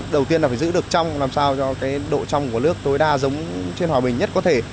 đầu tiên là phải giữ được trong làm sao cho cái độ trong của nước tối đa giống trên hòa bình nhất có thể